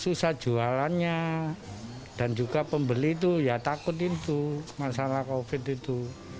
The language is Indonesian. susah jualannya dan juga pembeli takut masalah covid itu